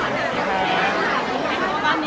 สวัสดีครับ